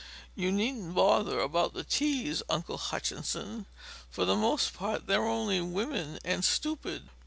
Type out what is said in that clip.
You needn't bother about the teas, Uncle Hutchinson for the most part they're only women, and stupid."